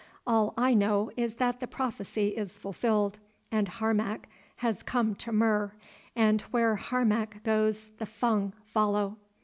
"All I know is that the prophecy is fulfilled, and Harmac has come to Mur, and where Harmac goes the Fung follow."